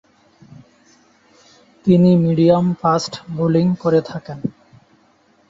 তিনি medium fast bowling করে থাকেন।